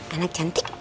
ya anak cantik